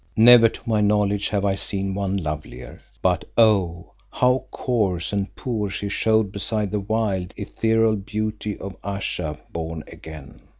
Never to my knowledge have I seen one lovelier, but oh! how coarse and poor she showed beside the wild, ethereal beauty of Ayesha born again.